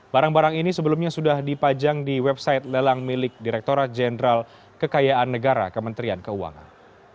barang barang ini sebelumnya sudah dipajang di website lelang milik direkturat jenderal kekayaan negara kementerian keuangan